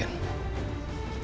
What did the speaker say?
kamu pergi dari sini